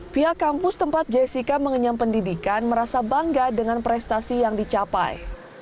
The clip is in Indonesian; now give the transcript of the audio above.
pihak kampus tempat jessica mengenyam pendidikan merasa bangga dengan prestasi yang dicapai